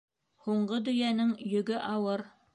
Һуңғы дөйәнең йөгө ауыр.